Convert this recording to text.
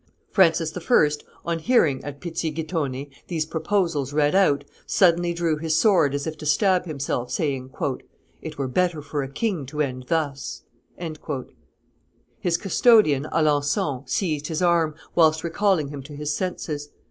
Francis I., on hearing, at Pizzighittone, these proposals read out, suddenly drew his sword as if to stab himself, saying, "It were better for a king to end thus." His custodian, Alancon, seized his arm, whilst recalling him to his senses.